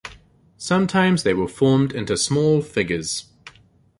Sometimes they were formed into small figures.